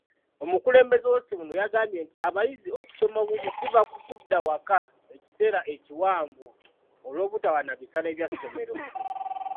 Omukulembeze w'essomero yagambye nti abayizi okusoma obubi kiva ku kudda waka ekiseera ekiwanvu olw'obutaba na bisale bya ssomero.